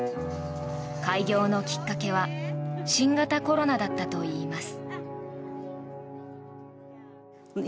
開業のきっかけは新型コロナだったといいます。